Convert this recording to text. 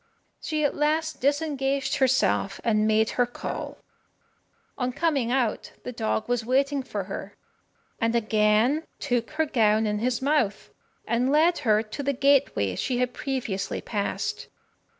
She at last disengaged herself, and made her call. On coming out, the dog was waiting for her, and again took her gown in his mouth, and led her to the gateway she had previously passed.